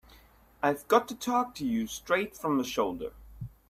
I've got to talk to you straight from the shoulder.